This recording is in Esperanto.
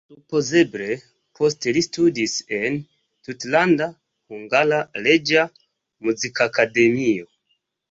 Supozeble poste li studis en Tutlanda Hungara Reĝa Muzikakademio.